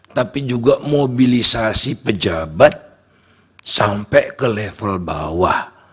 tapi juga mobilisasi pejabat sampai ke level bawah